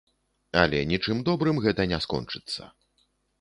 Але нічым добрым гэта не скончыцца.